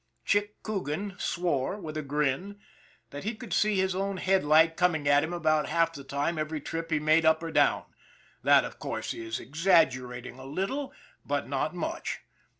Chick Coogan swore, with a grin, that he could see his own headlight coming at him about half the time every trip he made up or down. That, of course, is exaggerating a little but not much!